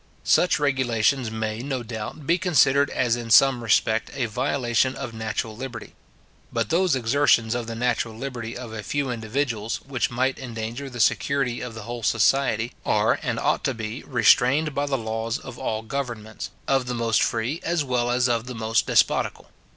Such regulations may, no doubt, be considered as in some respect a violation of natural liberty. But those exertions of the natural liberty of a few individuals, which might endanger the security of the whole society, are, and ought to be, restrained by the laws of all governments; of the most free, as well as or the most despotical.